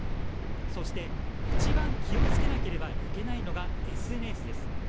そして一番気を付けなければいけないのがＳＮＳです。